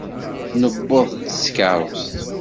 Newweḍ-d s tkeṛṛust.